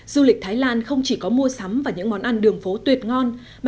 du lịch thái lan không chỉ có mua sắm và những món ăn đường phố tuyệt ngon